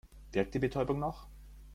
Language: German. Wirkt die Betäubung noch?